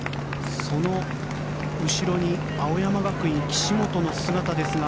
その後ろの青山学院岸本の姿ですが